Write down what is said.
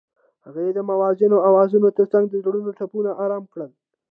هغې د موزون اوازونو ترڅنګ د زړونو ټپونه آرام کړل.